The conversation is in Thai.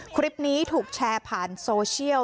คลิปนี้ถูกแชร์ผ่านโซเชียล